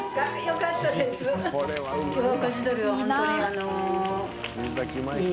よかったです。